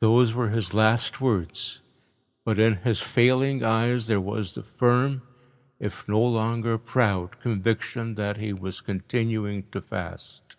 Those were his last words, but in his failing eyes there was the firm, if no longer proud, conviction that he was continuing to fast.